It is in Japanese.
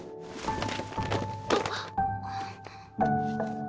あっ。